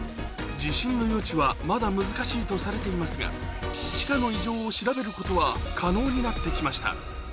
地震の予知はまだ難しいとされていますが地下の異常を調べることは可能になって来ました